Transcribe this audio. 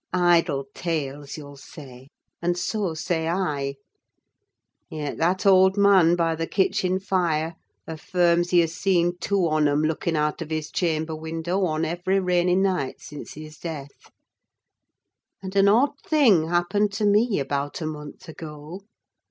Idle tales, you'll say, and so say I. Yet that old man by the kitchen fire affirms he has seen two on 'em looking out of his chamber window on every rainy night since his death:—and an odd thing happened to me about a month ago.